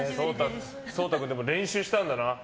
蒼太君、練習したんだな。